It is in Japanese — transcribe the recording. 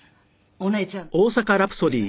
お姉ちゃん。